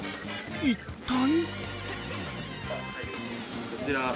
一体？